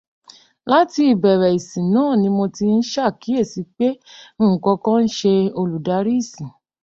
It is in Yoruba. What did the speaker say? Láti ìbẹ̀rẹ̀ ìsìn náà ni mo tí ń ṣàkíyèsí pé nǹkankan ṣe olùdarí ìsìn.